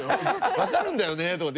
「わかるんだよね」とかって。